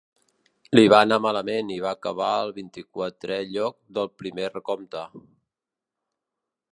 Li va anar malament i va acabar al vint-i-quatrè lloc del primer recompte.